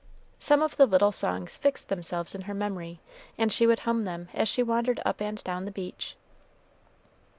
Some of the little songs fixed themselves in her memory, and she would hum them as she wandered up and down the beach.